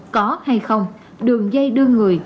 có hay không đường dây đưa người